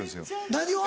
何を？